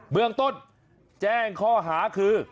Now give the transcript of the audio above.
เมืองต้นแจ้งข้อหาคือ